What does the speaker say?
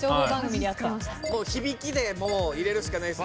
・響きでもう入れるしかないっすね。